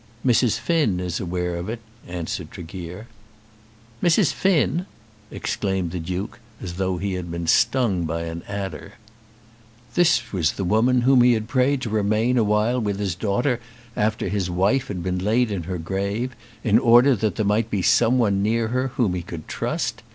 "Mrs. Finn is aware of it," answered Tregear. "Mrs. Finn!" exclaimed the Duke, as though he had been stung by an adder. This was the woman whom he had prayed to remain awhile with his daughter after his wife had been laid in her grave, in order that there might be someone near whom he could trust!